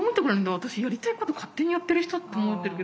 私やりたいこと勝手にやってる人って思ってるけど。